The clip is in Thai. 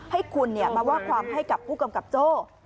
ให้คุณมาว่าความให้กับผู้กำกับโจ้